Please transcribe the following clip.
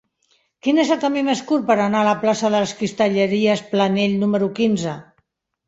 Quin és el camí més curt per anar a la plaça de les Cristalleries Planell número quinze?